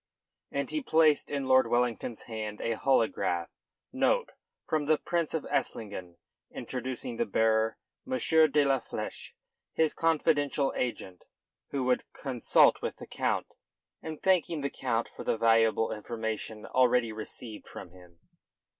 And he placed in Lord Wellington's hand a holograph note from the Prince of Esslingen introducing the bearer, M. de la Fleche, his confidential agent, who would consult with the Count, and thanking the Count for the valuable information already received from him.